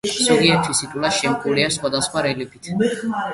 ზოგი სიტულა შემკულია სხვადასხვა რელიეფით.